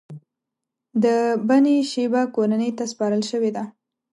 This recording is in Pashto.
د بنی شیبه کورنۍ ته سپارل شوې ده.